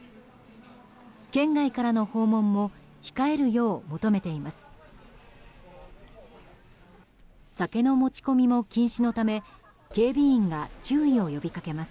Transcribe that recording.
県外からの訪問も控えるよう求めています。